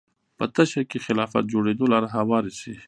په تشه کې خلافت جوړېدو لاره هواره شي